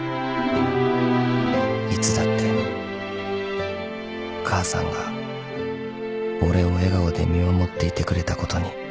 ［いつだって母さんが俺を笑顔で見守っていてくれたことに］